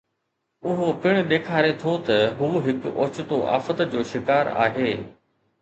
اهو پڻ ڏيکاري ٿو ته هو هڪ اوچتو آفت جو شڪار آهي